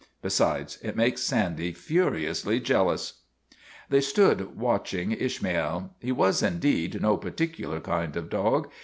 Besides, it makes Sandy furiously jealous." ii8 ISHMAEL They stood watching Ishmael. He was indeed no particular kind of dog.